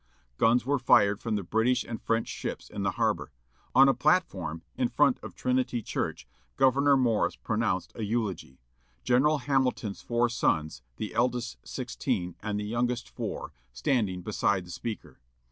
Guns were fired from the British and French ships in the harbor; on a platform in front of Trinity Church, Governor Morris pronounced a eulogy, General Hamilton's four sons, the eldest sixteen and the youngest four, standing beside the speaker.